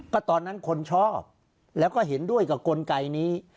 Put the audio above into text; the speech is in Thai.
ก็ตอนนั้นคนชอบแล้วก็เห็นด้วยกับกลไกนี้